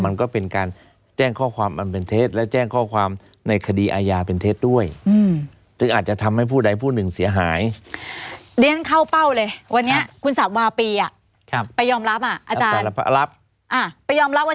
มันก็เป็นการแจ้งข้อความมันเป็นเท็จและแจ้งข้อความในคดีอายาเป็นเท็จด้วย